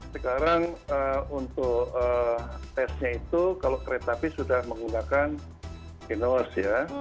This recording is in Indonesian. sekarang untuk tesnya itu kalau kereta api sudah menggunakan genos ya